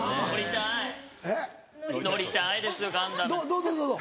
どうぞどうぞ。